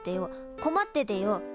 困っててよ。